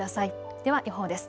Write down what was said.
では予報です。